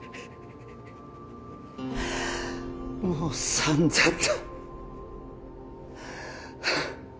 もう散々だ